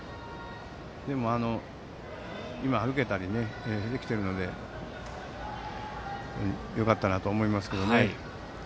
でも、歩けたりもできているのでよかったなと思いますけどね。